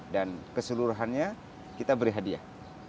dan keseluruhannya kita beri hadiah